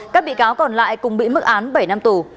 các bị cáo còn lại cùng bị mức án bảy năm tù